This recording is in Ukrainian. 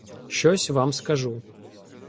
Щось вам скажу.